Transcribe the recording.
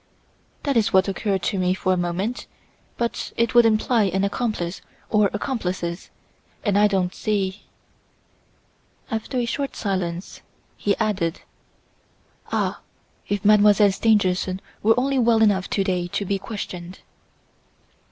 "That is what occurred to me for a moment; but it would imply an accomplice or accomplices, and I don't see " After a short silence he added: "Ah if Mademoiselle Stangerson were only well enough to day to be questioned!"